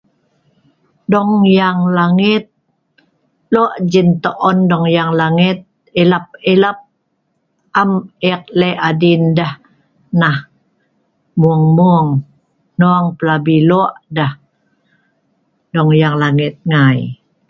Dong yang langet lo' jintoon dong yang langet ilap ilap am ek leh' adin deh nah mung mung, hnong pelabi lo' deh dong yang langet ngai.